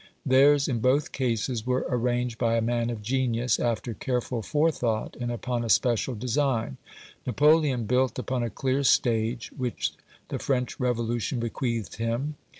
Theirs in both cases were arranged by a man of genius, after careful forethought, and upon a special design. Napoleon built upon a clear stage which the French Revolution bequeathed him.